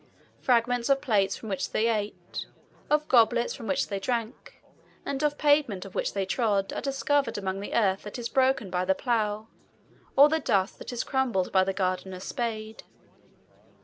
Fragments of plates from which they ate, of goblets from which they drank, and of pavement on which they trod, are discovered among the earth that is broken by the plough, or the dust that is crumbled by the gardener's spade.